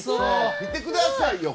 見てくださいよ。